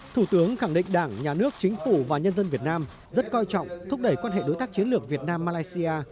thủ tướng khẳng định đảng nhà nước chính phủ và nhân dân việt nam rất coi trọng thúc đẩy quan hệ đối tác chiến lược việt nam malaysia